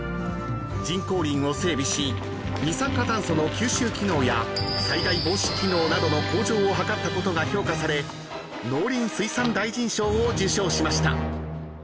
［人工林を整備し二酸化炭素の吸収機能や災害防止機能などの向上を図ったことが評価され農林水産大臣賞を受賞しました］